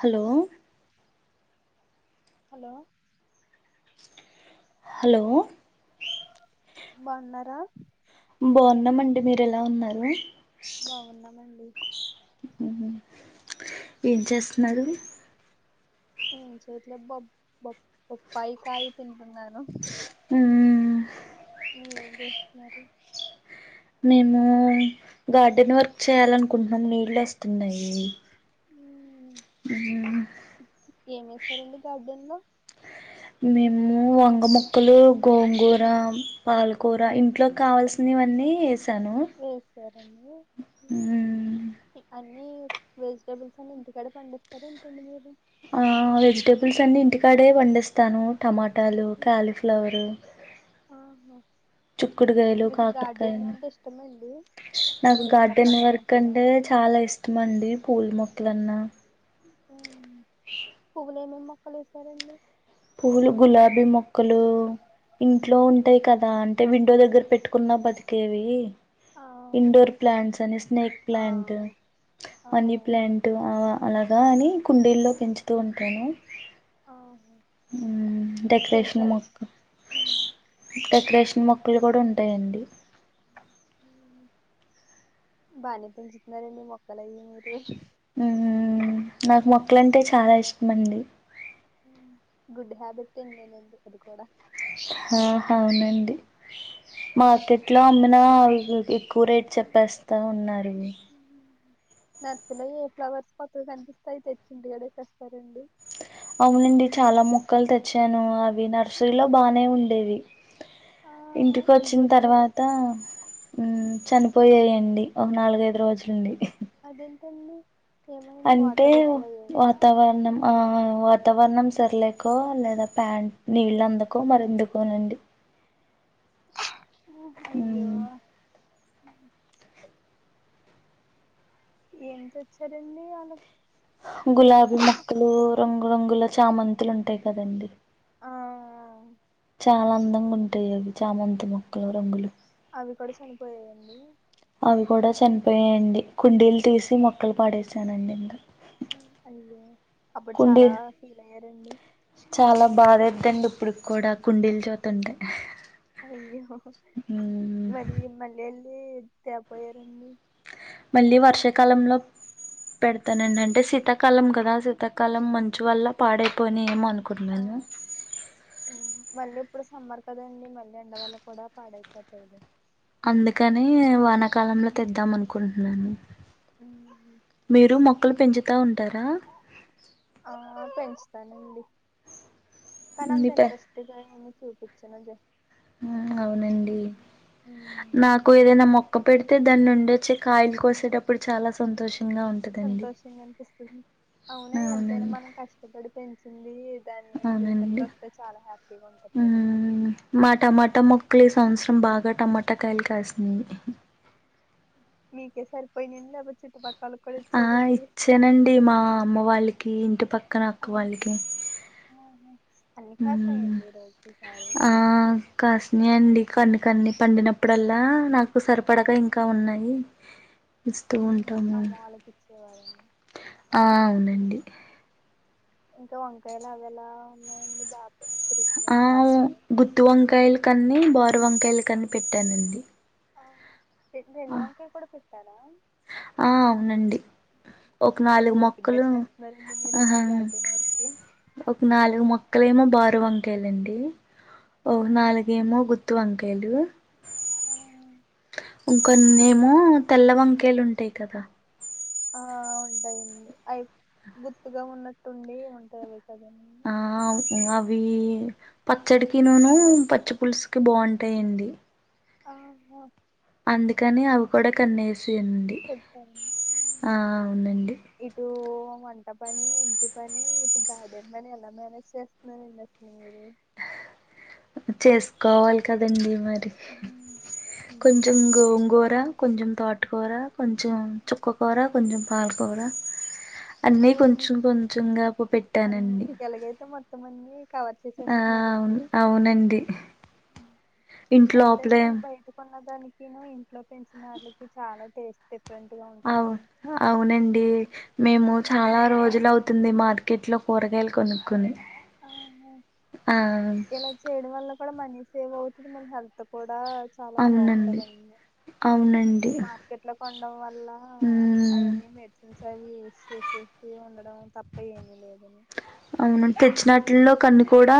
Hello hello hello బాగున్నారా బాగున్నామండి మీరు ఎలా ఉన్నారు బాగున్నామండి హ్మ్ ఏం చేస్తున్నారు ఎం చేయట్లేదు బొప్ బొప్ బొప్పాయి కాయ తింటున్నాను ఊ మీరేం చేస్తున్నారు మేము గార్డెన్ వర్క్ చేయాలనుకుంటున్నాం నీళ్లు వస్త వస్తున్నాయి ఏమి ఏసారండి గార్డెన్ లో మేము వంగ మొక్కలు గోంగూర పాలకూర ఇంట్లోకి కావాల్సిని వ నే ఎస్ వేసారాండి మ్మ్ మీ వెజిటేబుల్స్ అన్ని ఇంటికాడ పండిస్తారు ఏంటడి మీరు ఆ వెజిటేబుల్స్ అన్ని ఇంటికాడే పండిస్తాను టమాటాలు కాలీఫ్లవర్ ఆహో చుక్కుడుకాయలు కాకరకాయలు అంటే ఇష్టమండి నాకు పెంచడం గార్డెన్ మొక్కలు వర్క్ పెంచడం అంటే చాలా ఇష్టమండి పూల మొక్కలు లన్నా పువ్వులు ఏమే మొక్కలు వేసారండి పూలు గులాబీ మొక్కలు ఇంట్లో ఉంటాయి కదా అంటే వి డో దగ్గర పెట్టుకున్నా బతికేవి ఆ ఇండోర్ ప్లాంట్స్ అని స్నేక్ ఆ ప్లాంట్ ఆ మనీ ప్లాంట్ ఆ అలాగా అని కుండీల్లో పెంచుతూ ఉంటాను ఓ డెకరేషన్ మకు డెకరేషన్ చి మొక్కలు కూడా ఉంటాయండి బానే పెంచుతున్నారండి మొక్కల అవి మీరు నాకు మొక్కలంటే చాలా ఇష్టమండి గుడ్ హ్యాబిట్ ఏం నేను ఎందుకు అది కూడా ఆ అవునండి మార్కెట్ లో అమ్మిన ఎక్వరేట్ చెప్పేస్తా ఉన్నారు నర్సరలో ఏ ఫ్లవర్స్ కొత్తగా కనిపిస్తాయి తెచ్చిం ఇంటి కడ వకస్తారండి అవునండి చాలా మొక్కలు తెచ్చాను అవి నర్సరీలో బాగా ఉండేవి ఆ ఇంటికి వచ్చిన తర్వాత చనిపోయాేయండి ఒక నాలుగైదు రోజులండి అదెంతండి అంటే వాతావరణం ఆ వాతావరణం సర్లేకో లేదా ప్యాంట్ నీళ్ళ అందుకో మరి ఎందుకోనండి ఓ అయ్యో ఏం తేచ్చారండి వాళ్లా గులాబీ మొక్కలు రంగురంగుల చామంతులు ఉంటాయి కదండి ఆ చాలా అందంగా ఉంటాయి అవి చాలా అంత మక్కలరంగలు అవి కూడా చనిపోయాయండి అవి కూడా చనిపోయాయండి కుండీలు తీసి మొ పాడేసానునండి ఇంకా ఆ అయ్యో అప్పుడు కుండీ చాలా ఫీల్ అయ్యారండి బాధెదండీ ఇప్పుడు కూడా కుండీల్ చోతుంటే అయ్యో మ్మ్ ఏ దెబ్బయరన్ని మళ్ళీ వర్షాకాలంలో పెడతాననంటే సి ఆ కాలం కదా సీతాకాలం మంచి వల్ల పాడైపోయిన ఏమో అన్ ఆ కున్నాను ఉమ్. మళ్ళీ ఇప్పుడు సమ్మర్ కదండి మళ్ళ ఎండ వల్ల కూడా పాడై పత ఇదు అందుకని వాన కాలంలో తెద్దాం అనుకుంటున్నా మీరు మొక్కలు పెంచుతా ఉంటారా ఆ పెంచుతానండి కనంత మీ ఇంట్రెస్ట్ గా ఏమీ చూపు ఇచ్చినజే మ్ అవునండి నాకు ఏదైనా మొక్క పెడితే దాన్నుండచ్చే కాయలు కోసేటప్పుడు చాలా సంతోషం సంతోషంగా అని అవునండి సింది అవునండి ఉంటది కదండి మా ఉమ్. టమాటా మొక్కలు ఈ సంవత్సరం బాగా టమాటా ట కాయలు కాసినయ్ మీకే సరిపోయినయండి లేపోతే చుట్టుపక్కల కూడా ఆ ఇచ్చారండి ఇచ్చానండి మా అమ్మ వాళ్ళకి ఇంటి పక్కన అక్క ఆహా, వాళ్ళకి ఆహా. అన్ని మ్మ్ కాసాయండి ఈరోజు ఈసారి ఆ కాస్ని అండి కొన్ని కొన్ని పండినప్పుడు డల్లా నాకు సరిపడగా ఇంకా ఉన్నాయి ఇస్తూ ఉంటాము అమ్మ వాళ్ళకి ఇచ్చేవారని ఆ అవునండి ఇంకా వంకాయలు అవి ఎలా ఉన్నాయండి బా ఆ గుత్తు వంకాయలు కన్నీ బోరీ వంకాయలు కని పెట్టానండి రెండు వంకాయ కూడా కారా ఆ అవునండి ఒక ఎంత నాలుగు ఓపిగ్గా మొక్కలు చేస్తున్నారండి మీరు ఆ అసలు గార్డెన్ వర్క్ ఒక నాలుగు మొక్కలు ఏమో బారు వంకాయలుండి ఒ నాలుగెమో త వంకాయలు ఇంక ఏమో తెల్లవంకాయలు ఉంటాయి కదా ఆ ఉంటాయండి అవి గుర్తుగా ఉన్నట్టుండి ఉంటాయి అవి కద ఆ అవి పచ్చడికి నూను పచ్చి పులుసుకి బాగుంటాయండి ఆ అందుకని అవి కూడా కన్ పెతార అవునండి ఇటు వంట పని ఇంటి పని, ఇటు గార్డెన్ పని ఎలా మేనేజ్ చేస్తున్నారండి అసలు మీరు. చేస్కోవాలి కదండి. మరి కొంచం అంతేనండి గోంగూర, కొంచం తోట్. కూర కొంచెం, చుక్కకూర, కొంచెం పాలకూరా. అన్నీ ఓర్ని కొంచెం కొంచెంగా [unintelligible] అన్ని పెట్టానండి. ఎలాగైతే మొత్తం అన్ని కవర్ ఆ చేసేస్తున్నారండి, అవును అవునండి ఎంతైనా ఇంట్లోపలే మనం బయటకోన్న. దానికిమే, ఇంట్లో పెంచిన అళ్ళకి చాలా టేస్ట్. డిఫరెంట్ గా అవు ఉంటదండి అవునండి, మేము చాలా రోజులు అవుతుంది, మార్కెట్ లో కూరగాయలు కొనుక్కొని. ఆహా ఆ ఇలా చేయడం వల్ల. ఇక్కడ మనీ సేవ్ అవుతుంది, మన హల్త్ కూడ్. ఆ చాలా అవునండి బాగుంటందండి. అవునండి మార్కెట్ లో కొండం వల్ల ఉమ్ అయాన్నీ మెడిసిన్స్. అవి యూస్ చేసేసి ఉండడం తప్ప ఏమీ లేదని. అవునాన్. తెచ్చినట్లోలో కన్ని కూడా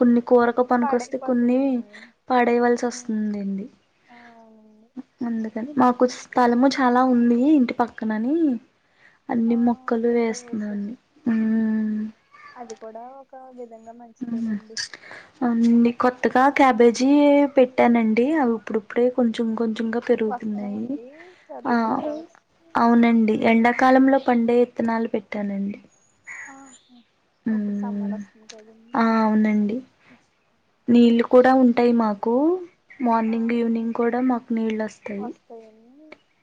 కొన్ని. కూరకు పనికికొస్తే కొన్ని, పాడైపోతాయండి పాడేయవలసి వస్తుందండి. ఆ అవునండి అందుకని మాకు స్థలము చాలా ఉంది, ఇంటి పక్కనని. ఆ అన్ని మొక్కలు ఇంకా వేస్తున్నానా వేసాను అండి హుమ్మ్. కాజాల్. అన్ని కొత్తగా, క్యాబేజీ పెట్. ట్టానండి అవి ఇప్పుడు. అప్పుడే కొంచెం కొంచెంగా పెరుగుతున్నాయి. వస్తున్నాయండి ఆ అభిజిత్ ఫ్లవర్స్ అవునండి, ఎండాకాలంలో పండే విత్తనాలు పెట్టానండి. ఆ. ఇప్పుడు మ్మ్ సమ్మార్ వస్తుంది కదండి. ఆ అవునండి నీళ్ళు కూడా ఉంటాయి మాకు. ఆ మార్నింగ్, ఈవినింగ్ కూడా మాకు నీళ్ళొస్తాయి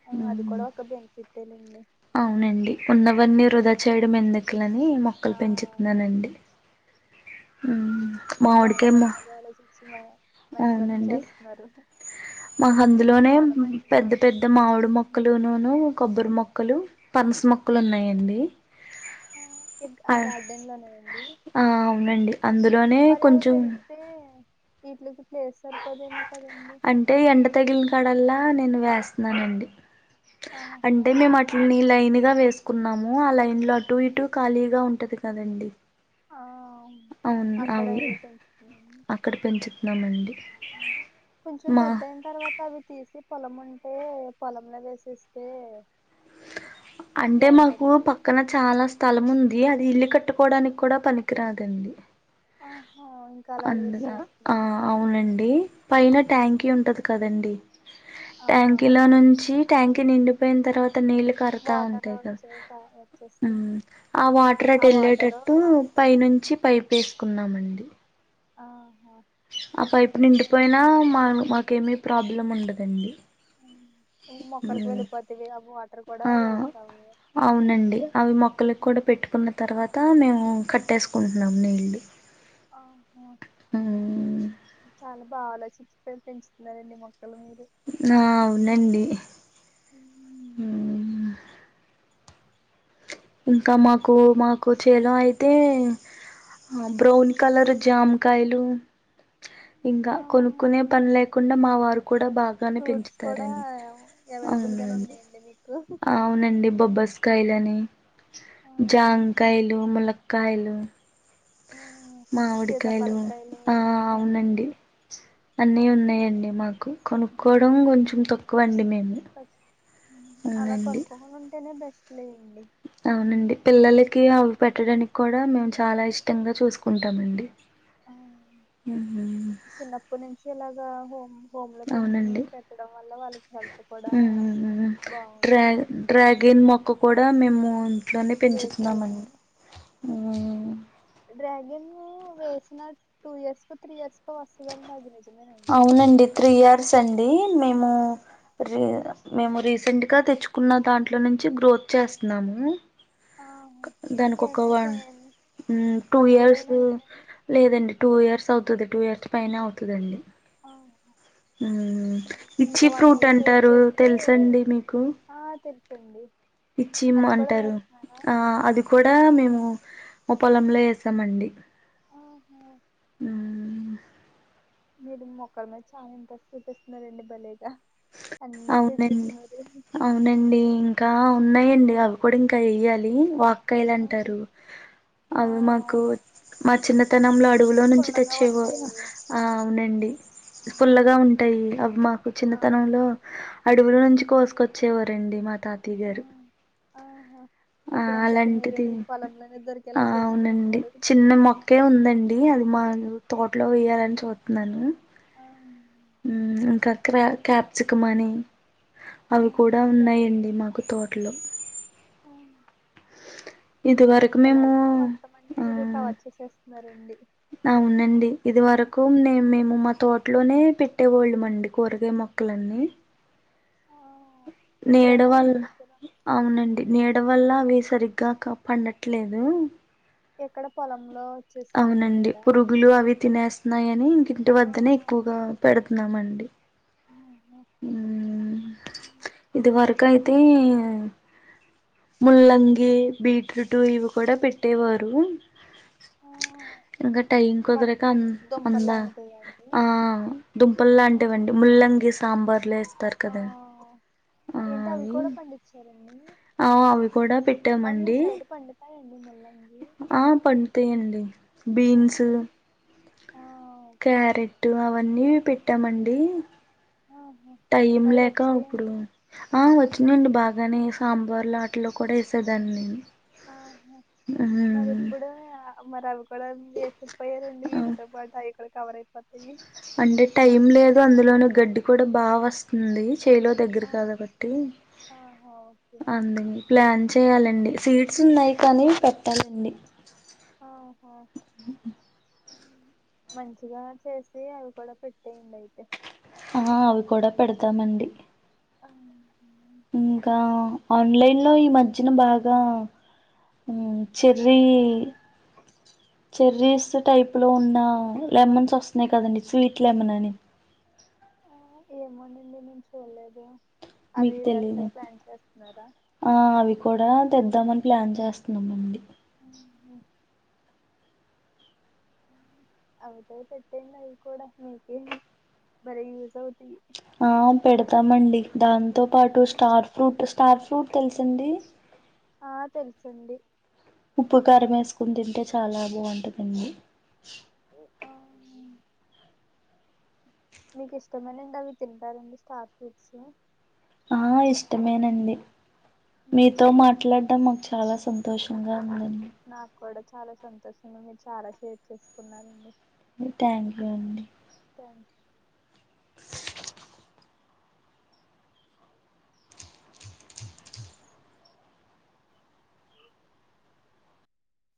ఆ అది కూడా ఒక బెన్ఫిట్. తెలుండి. అవునండి ఉన్నవన్నీ వృధా చేయడం ఎందుక్లని, ఆ మొక్కలు పెంచుతున్నానండి. ఉమ్. చాలా మంచిగా ఆలోచించి. మే. అవునండి మాక్ అందులోనే చాలా మంచిది పెద్ద పెద్ద మామిడి మొక్కలునూను, కొబ్బరి మొక్. మొక్కలు, పనస మొక్కలు ఉన్నాయండి. ఆ ఆ గార్డెన్ లోనే అండి. అవునండి అందులోనే మరి అవి కొంచెం పెరిగితే ఇట్లకి అంటే ఎండ తగిలిన కాడల్లా నేను వేస్తా వేస్తున్నానండి. ఆహా అంటే మేము అట్లా నీళ్లు తాగినయ్ వేసుకున్నాము. ఆ లైన్ లో అటు ఇటు ఖాళీగా ఉంటది కదండి. అవును అక్కడ అవి పెంచున్నా అక్కడ పెంచుతున్నామండి కొంచెం మా పెద్దయిన తర్వాత అవి తీసి పొలం ఉంటే పొలంలో వేసేస్తే అంటే బాగుంటది మాకు కదండి పక్కన చాలా స్థలం ఉంది. అది ఇల్ కట్టుకోవడానికి కూడా పనికిరాదండి. ఆ అందుగా ఆ అవునండి పైన ఉమ్. ట్యాంకీ ఉంటది. కదండి ఆ ట్యాంకీలో నుంచి ట్యాంకీ నిండిపోయిన తర్వాత అంత నీళ్ళు కరతా వాటర్ ఉంటాయి కదా వచ్చే ప- వచ్చేస్తే ఆ వాటర్ ఆ అటు వాటరు వెళ్ళేటట్టు వాటికి పై నుంచి పైప్ వేసుకున్నామండి. ఆ ఆ పైపు నిండిపోయినా మా మాకేమి ప్రాబ్లం ఉండదండి. ఇంక మొక్కలకి వెళ్ళిపోతవి ఆ వాటర్ కూడా ఆ వేస్ట్ అవ్వవు అవునండి అవి మొక్కలకి కూడా పెట్టుకున్న తర్వాత మేము కట్టేసుకుంటున్నాం నీళ్ళు ఆ [unintelligible] పావుల చిచ్చ పె పెంచుతున్నారండి మొ ఆ అవునండి హ్మ్ ఇంకా మాకు మాకు చేలో అయితే బ్రౌన్ కలర్ ఉమ్. జామకాయలు ఇంకా ఆ కొనుకునే పని లేకుండా మా వారు కూడా బాగానే ఫ్రూట్స్ కూడా పెంచుతారండి అవైలబుల్ గానే అవునండి ఉన్నాయండి మీకు అవునండి బొబ్బస్కాయలు అని ఆ జామకాయలు, ములక్క కాయలు ఆ మామిడికాయలు సీతాఫలకాయలు ఆ అవునండి. అయన్నీ అన్ని ఉన్నాయండి మాకు కొనుక్కోవడం కొంచెం తక్కువ కు వండి మీర్ అలా కొనుక్కోకుండా ఉంటేనే బెస్ట్ లే అవునండి పిల్లలకి అవి పెట్టడానికి కూడా మేం చాలా ఇష్టంగా చూసుకుంటామండి మ్మ్ [inaudible] చిన్నప్పటి నుంచి ఇలా రాదేమో అవునండి హెల్త్ కూడా ఊ బాగుంటది డ్రాగన్ డ్రాగన్ మొక్క కూడా మేము ఔన్ ట్లోనే పెంచుతున్నామన్ వేసారండి ఊ ఊ వేసిన టూ ఇయర్స్ కో త్రీ ఇయర్స్ కో వస్తుదండి అది నిజమేనండి అవునండి త్రీ ఇయర్స్ అండి మేము రీ మేము రీసెంట్ గా తెచ్చుకున్న దాంట్లో నుంచి గ్రోత్ చేస్తున్నాను ఆ దానికి ఒక ఎంత వన్ ఎంత ఊ టూ వన్ ఇయర్ ఇయర్స్ అయినా అయిందండి లేదండి టూ ఇయర్స్ అవుతది టూ ఇయర్స్ పైనే అవుతదండి ఆ ఇంకా ఇచ్చి వన్ ఫ్రూట్ ఇయర్ వెయిట్ అంటారు చేస్తే తెలుసండి మీకు ఆ తెలుస్తుంది ఇచ్చిమ్ అంటారు ఆ అది కూడా ఆ మేము ముప్ పొలంలో ఏసామండి ఆహా మ్మ్ మీరు మొక్కల మీద చాలా ఇంట్రెస్ట్ చూపిస్తున్నారండి బలే అవునండి అవునండి ఇంకా ఉన్నాయండి అవి కూడా ఇంకా ఎయ్యాలి. లీ వా ఆ కయిలంటారు ఆ, అవి మాకు మా చిన్నతనంలో అడవులో నుంచి పుల్లగా తెచ్చే వు ఉంటాయివి ఆ అవునండి పుల్లగా ఉంటాయి అవి మాకు చిన్న ఆ తనంలో అడవులో నుంచు కోసుకొచ్చేవారండి మా తాతయ్య ఆ గారు ఆహా ఆ ఇప్పుడు ఎంచక్క మీరు అలాంటిది మీ పొలంలోనే ఆ దొరికేలా అవునండి చేసుకుంటున్నారు చిన్న మొక్కే ఉందండి అది మా తోట్లో వెయ్యాలని చూత్నాను ఆ, మ్మ్ ఇంక క్ర కాప్సికం అని ఆ, అవి కూడా ఓకే. ఉన్నాయండి మాకు తో ట్లో ఆ, ఇది వరకు ఎలా మేము అయితే మొత్తం అన్ని ఆ మీరు కవర్ చేసేస్తున్నారండి అవునండి ఇది వరకు ఆ నే మేము మా తో ట్లోనే పెట్టేవోళ్ళమండి కూరగాయ మొక్కలన్నీ ఆ నీడ ఇప్పుడేమో వల్ల ఇంటి దగ్గర అవునండి నీడ వల్ల అవి సరిగ్గా క పండట్ ట్లేదు ఎక్కడ పొలంలో వచ్చేస్తుందండి అవునండి నీడ పురుగులు అవి తినేస్తున్నాయని ఇంకింటి ఆ వద్దనే ఎక్కువగా పెడుతున్నామండి. మ్మ్. ఊ ముళ్లంగి బీట్రూట్ ఇవి కూడా పెట్టేవారు. ఆ ఇంగా టైం వం కుదరక అన్ దుంపలు అందా లాంటివండి ఆ దుంపల్ లాంటివండి ముల్లంగీస్ సాంబార్లో ఎస్తారు ఆ కదా ఏంటి అవి కూడా పండించ్చార అండి ఆ అవి కూడా అవి మీ పెట్టామండి సైడ్ పండుతాయండి ముల్లంగి ఆ పండుతాయండి ఆ బీన్స్ క్యారెట్టు అవన్నీ పెట్టామండి. ఆహా టైం మరి లేకా ఇప్పుడు వచ్చాయండి ఆ వచ్చ ఆ అండి బాగానే సాంబార్లో అట్లా కూడా వేసేదాన్ని. ఆహా నేను మరి ఇప్పుడు ఉమ్ య మరి అవి కూడా వేసిపోయారండి వీటితో పాటు అవి కూడా కవరైటట్టివి. అంటే టైం లేదు అందులోనే గడ్డి కూడా బాగా వస్తుంది. చేలో దగ్గర ఆ, కాబట్టి ఆహా ఓకే అందు ప్లాన్ చేయాలండి సీట్స్ ఉన్నాయి. కాని పెట్టాలండి. ఆహా ఊ మంచిగా చేసి అవి కూడా పెట్టేయండి అయితే ఆ అవి కూడా పెడతామండి. ఆ, ఇంకా ఆన్లైన్ లో ఈ మధ్యన బాగా ఊ చెర్రీ చెర్రీస్ టైప్ లో ఉన్న లెమన్స్ వస్తున్నాయి కదండి స్వీట్ లెమన్ అని ఏమోండి నేనేం చూల్లేదు. మీకు తెలిదు ఆ అవి కూడా తెద్దామని ప్లాన్ చేస్తున్నామండి. ఓహో అయితే పెట్టేయండి అవి కూడా మీకేం భలే యూస్ అవు ఆ పెడతామండి దాంతో తెలిసింది, ఆ తెలుసండి. ఉప్పు కారం వేసుకొని తింటే చా చాలా బాగుంటదండి. ఆ, మీకు ఇష్టమేనండి అవి తింటారండి స్టార్ ఫ్రూట్స్ ఆ ఇష్టమేనండి. మీతో మాట్లాడడం మాకు చాలా స సంతోషంగా ఉందండి నాక్ కూడా చాలా సంతోషంగా మీరు చాలా షేర్ చేసుకున్నారండి. థ్యాంక్ యూ అండి. థ్యాంక్